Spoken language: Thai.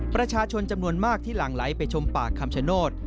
ประชาชนจำนวนมากที่หลั่งไหลไปชมป่าคำชโนธ